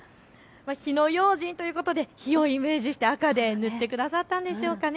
火の用心ということで火をイメージして赤で塗ってくださったんでしょうかね。